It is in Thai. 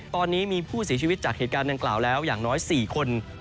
ตอนนี้มีผู้เสียชีวิตจากเหตุการณ์ดังกล่าวแล้วอย่างน้อย๔คน